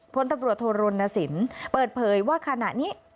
พลตำรวจโทรณสินเปิดเผยว่าขณะนี้